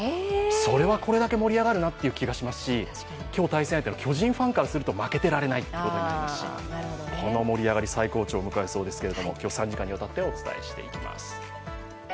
それはこれだけ盛り上がるなという気がしますし、今日対戦相手の巨人ファンからすると負けてられないってことになりますし、盛り上がり、最高潮を迎えそうですけど、今日３時間にわたってお伝えしていきます。